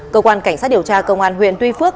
cơ quan cảnh sát điều tra công an huyện tuy phước